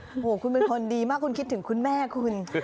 พูดแบบนี้คุณเป็นคนดีมากคุณคิดถึงคุณแม่คุณ